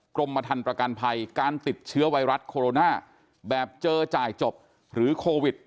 กรมทันประกันภัยการติดเชื้อไวรัสโคโรนาแบบเจอจ่ายจบหรือโควิด